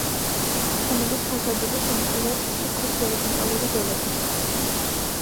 შენობის ფასადები შემკულია თეთრი ქვის ჰორიზონტალური ზოლებით.